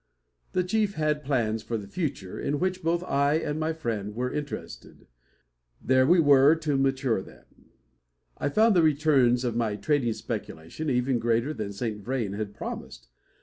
The chief had plans for the future, in which both I and my friend were interested. There we were to mature them. I found the returns of my trading speculation even greater than Saint Vrain had promised.